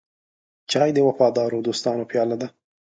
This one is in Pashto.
چای د وفادارو دوستانو پیاله ده.